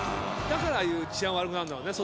だからああいう治安悪くなるんだろうね。